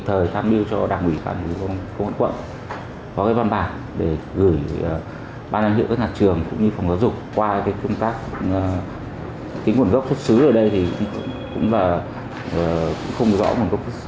thì cũng là không rõ nguồn gốc thuốc sứ nên vấn đề vệ sinh an toàn thực phẩm cũng là quá đậm